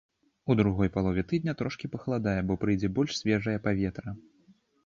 У другой палове тыдня трошкі пахаладае, бо прыйдзе больш свежае паветра.